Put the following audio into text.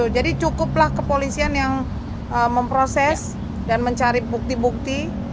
cukuplah kepolisian yang memproses dan mencari bukti bukti